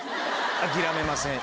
諦めません。